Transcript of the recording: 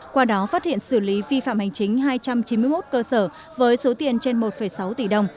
qua đó phát hiện xử lý vi phạm hành chính hai trăm chín mươi một cơ sở với số tiền trên một sáu tỷ đồng